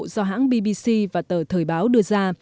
do hãng bbc và tờ thời báo đưa ra